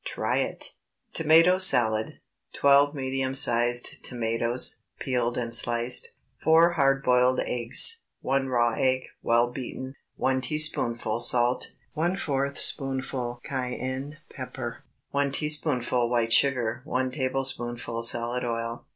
Try it! TOMATO SALAD. ✠ 12 medium sized tomatoes, peeled and sliced. 4 hard boiled eggs. 1 raw egg, well beaten. 1 teaspoonful salt. ¼ spoonful cayenne pepper. 1 teaspoonful white sugar. 1 tablespoonful salad oil.